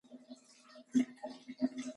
یو زاړه سړي په ځوانۍ کې ښه ښکار کاوه.